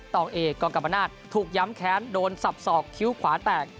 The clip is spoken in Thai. ต่อเอกกรกรรมนาศถูกย้ำแค้นโดนสับสอกคิ้วขวาแตก